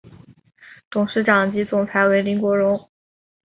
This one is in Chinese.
董事长及总裁为林国荣。